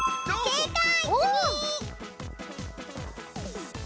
せいかい！